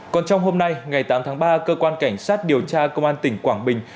còn trong hôm nay ngày tám tháng ba cơ quan cảnh sát điều tra công an tỉnh quảng bình